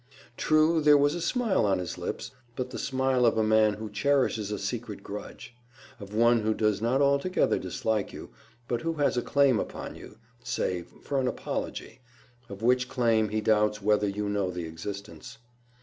True, there was a smile on his lips, but the smile of a man who cherishes a secret grudge; of one who does not altogether dislike you, but who has a claim upon you—say, for an apology, of which claim he doubts whether you know the existence.